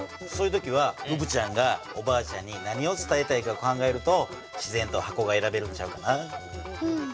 そういう時はうぶちゃんがおばあちゃんに何を伝えたいかを考えると自然と箱が選べるんちゃうかな。